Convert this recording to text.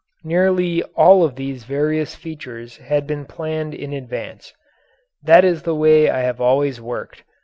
Nearly all of these various features had been planned in advance. That is the way I have always worked.